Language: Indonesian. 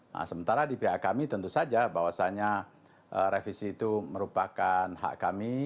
nah sementara di pihak kami tentu saja bahwasannya revisi itu merupakan hak kami